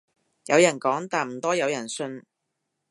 有人講但唔多人信